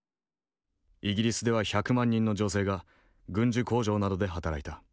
イギリスでは１００万人の女性が軍需工場などで働いた。